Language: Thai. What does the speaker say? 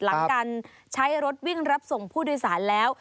หลังการใช้รถวิ่งรับส่งผู้โดยสารแล้ว